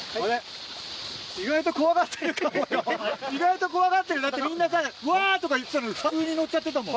意外と怖がってるだってみんな「うわ！」とか言ってたのに普通に乗っちゃってたもん。